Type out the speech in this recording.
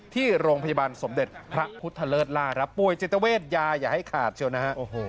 ที่โรงพยาบาลสมเด็จพระพุทธเลิศล่าครับป่วยจิตเวทยาอย่าให้ขาดเชียวนะฮะ